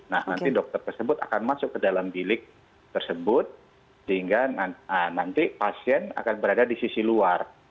nah nanti dokter tersebut akan masuk ke dalam bilik tersebut sehingga nanti pasien akan berada di sisi luar